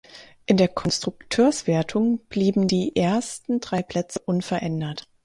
In der Konstrukteurswertung blieben die ersten drei Plätze unverändert.